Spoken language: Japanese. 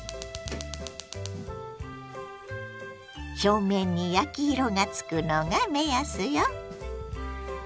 表面に焼き色がつくのが目安よ。